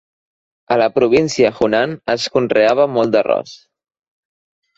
A la província Hunan es conreava molt d'arròs.